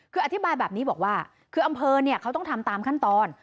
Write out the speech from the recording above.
คืออธิบายแบบนี้บอกว่าคืออำเภอเนี่ยเขาต้องทำตามขั้นตอน